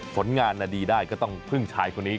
ผลงานดีได้ก็ต้องพึ่งชายคนนี้